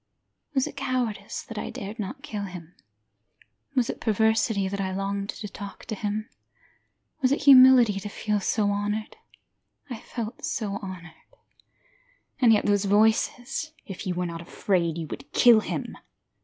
Was it cowardice, that I dared not kill him? Was it perversity, that I longed to talk to him? Was it humility, to feel honoured? I felt so honoured. And yet those voices: If you were not afraid you would kill him.